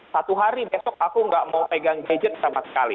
satu hari besok aku nggak mau pegang gadget sama sekali